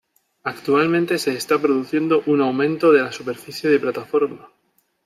Actualmente se está produciendo un aumento de la superficie de plataforma.